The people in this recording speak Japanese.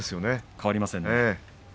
変わりませんね。